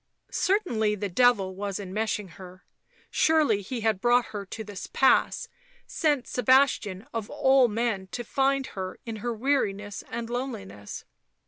Certainly the Devil was enmeshing her, surely he had brought her to this pass, sent Sebastian, of all men, to find her in her weariness and loneliness.